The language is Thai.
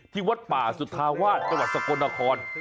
วัดป่าสุธาวาสจังหวัดสกลนคร